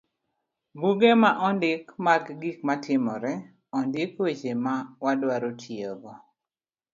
buge ma ondik mag gik matimore, ondik weche ma wadwaro tiyogo.